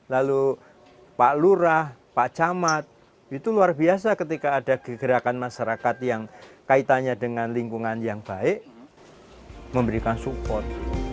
lalu pak lurah pak camat itu luar biasa ketika ada gerakan masyarakat yang kaitannya dengan lingkungan yang baik memberikan support